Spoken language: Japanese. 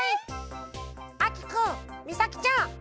あきくんみさきちゃん。